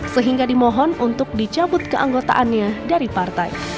sehingga dimohon untuk dicabut keanggotaannya dari partai